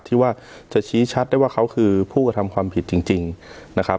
ที่ว่าจะชี้ชัดได้ว่าเขาคือผู้กระทำความผิดจริงนะครับ